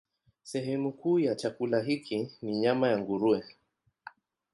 Sehemu kuu ya chakula hiki ni nyama ya nguruwe.